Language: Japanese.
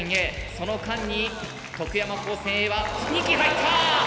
その間に徳山高専Ａは２機入った！